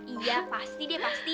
iya pasti deh pasti